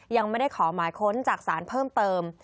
ยังไม่ได้ขอหมายค้นจากศาลเพิ่มเติม